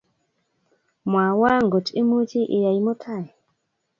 Mwawa ngot imuchi iyai mutai